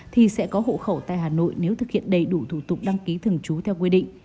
thì sẽ có hộ khẩu tại hà nội